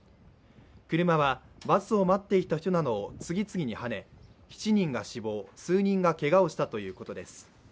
車はバスを待っていた人などを次々にはね、７人が死亡、数人がけがをしたということです。